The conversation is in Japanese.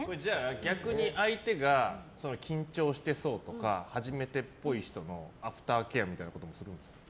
逆に相手が緊張してそうとか初めてっぽい人のアフターケアみたいなこともするんですか？